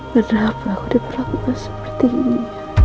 kenapa aku diperlakukan seperti ini